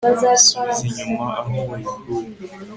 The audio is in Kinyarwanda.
subiza inyuma aho wayikuye